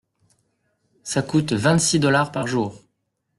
Ça coûte vingt-six dollars par jour.